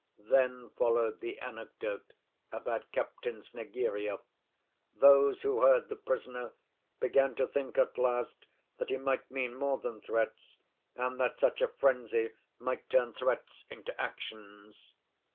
[Then followed the anecdote about Captain Snegiryov.] Those who heard the prisoner began to think at last that he might mean more than threats, and that such a frenzy might turn threats into actions."